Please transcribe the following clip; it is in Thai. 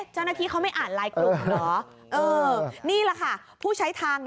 เจ้าหน้าที่เขาไม่อ่านไลน์กลุ่มเหรอนี่แหละค่ะผู้ใช้ทาง